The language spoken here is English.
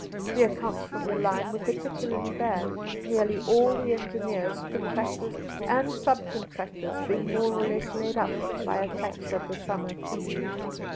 The accounts from the line were par ticularly bad, nearly all the engineers, con tractors, and sub contractors being more or less laid up by attacks of the summer fiend.